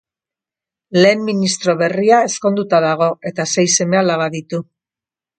Lehen ministro berria ezkonduta dago eta sei seme-alaba ditu.